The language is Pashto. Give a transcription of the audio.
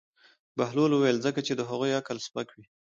بهلول وویل: ځکه چې د هغوی عقل سپک وي.